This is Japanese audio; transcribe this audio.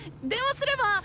電話すれば。